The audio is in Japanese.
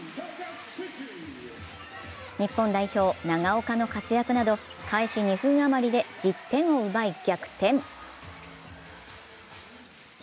日本代表・長岡の活躍など開始２分余りで１０点を奪い逆転。